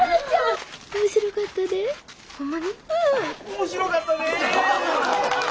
面白かったで。